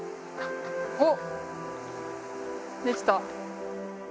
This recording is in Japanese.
おっできた。